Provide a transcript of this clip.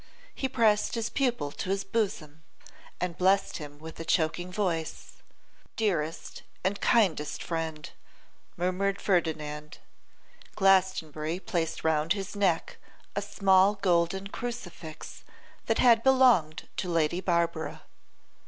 He pressed his pupil to his bosom, and blessed him with a choking voice. 'Dearest and kindest friend!' murmured Ferdinand. Glastonbury placed round his neck a small golden crucifix that had belonged to Lady Barbara.